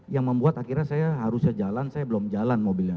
yang membuat akhirnya saya harusnya jalan saya belum jalan mobilnya